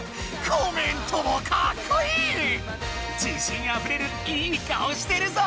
自信あふれるいい顔してるぞ！